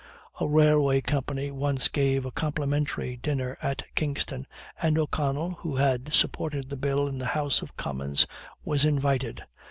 A railway company once gave a complimentary dinner at Kingstown, and O'Connell, who had supported the Bill in the House of Commons, was invited.